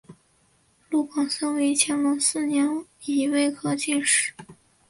陆广霖为乾隆四年己未科进士。